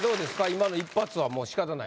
今の一発はもうしかたない？